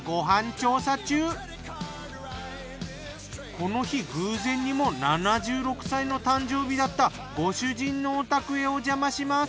この日偶然にも７６歳の誕生日だったご主人のお宅へおじゃまします。